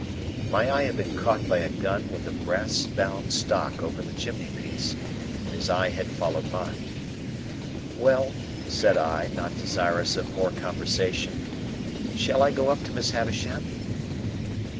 My eye had been caught by a gun with a brass bound stock over the chimney piece, and his eye had followed mine. "Well," said I, not desirous of more conversation, "shall I go up to Miss Havisham?"